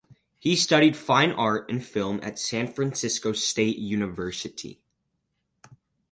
He studied fine art and film at San Francisco State University.